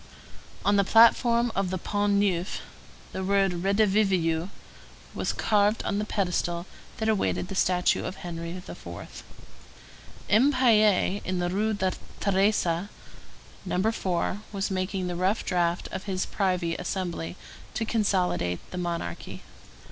On the platform of the Pont Neuf, the word Redivivus was carved on the pedestal that awaited the statue of Henry IV. M. Piet, in the Rue Thérèse, No. 4, was making the rough draft of his privy assembly to consolidate the monarchy.